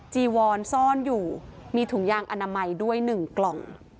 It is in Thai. จีวอนซ่อนอยู่มีถุงยางอนามัยด้วย๑กล่อง